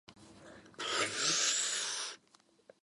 The stations are approximately apart and linked by bus.